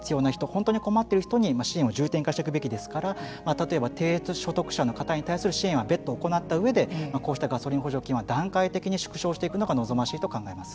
本当に困っている人に支援を重点化していくべきですから例えば低所得者の方に対する支援は別途行った上でこういったガソリン補助金は段階的に縮小していくのが望ましいと考えられます。